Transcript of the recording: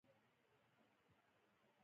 د خوړو ذخیره کول باید اوږدمهاله حل ولري.